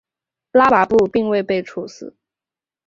拉跋布并未被处死。